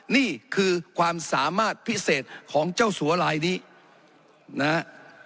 นี่คือความสามารถพิเศษของเจ้าสัวลายนี้นะฮะ